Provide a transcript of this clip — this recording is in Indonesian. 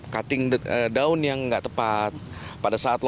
cutting daun yang tidak tepat